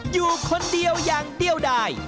อยู่คนเดียวอย่างเดียวได้